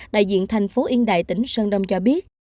đại diện thành phố yên đại tỉnh sơn đông cho biết